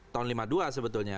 tahun lima puluh dua sebetulnya